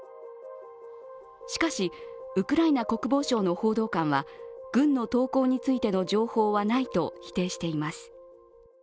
しかし、ウクライナ国防省の報道官は、軍の投降についての情報はないと否定しています。